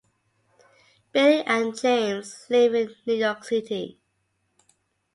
Billig and James live in New York City.